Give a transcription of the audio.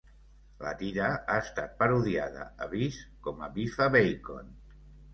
La tira ha estat parodiada a "Viz" com a Biffa Bacon.